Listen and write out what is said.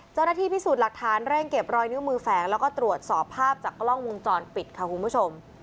เจ้าหน้าที่พิสูจน์หลักฐานเร่งเก็บรอยนิ้วมือแฝงแล้วก็ตรวจสอบภาพจากกล้องวงจรปิดค่ะคุณผู้ชม